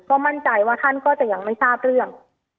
ก็มั่นใจว่าท่านก็จะยังไม่ทราบเรื่อง